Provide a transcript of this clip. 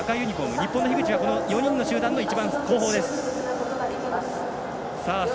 日本の樋口は４人の集団の一番後方です。